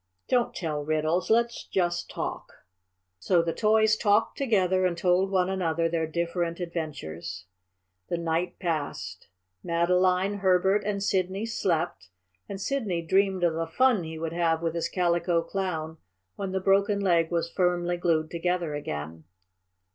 Don't tell riddles! Let's just talk!" So the toys talked together and told one another their different adventures. The night passed. Madeline, Herbert and Sidney slept, and Sidney dreamed of the fun he would have with his Calico Clown when the broken leg was firmly glued together again.